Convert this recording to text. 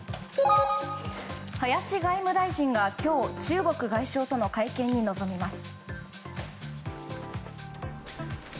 林外務大臣が今日、中国外相との会見に臨みます。